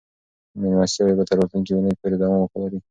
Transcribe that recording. مېلمستیاوې به تر راتلونکې اونۍ پورې دوام ولري.